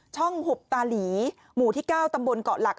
หุบตาหลีหมู่ที่๙ตำบลเกาะหลัก